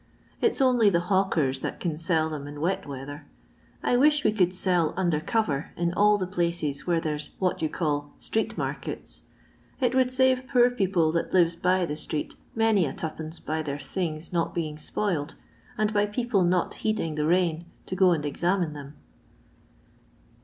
It 's only the hawkers that can sell them in wet weather. I wish we could sell under cover in all the places where there 's what you call ' street markets.* It would save poor people that lives by the street many a twopence by their things not being spoiled, and by people not heeding the zmin to go and examine them."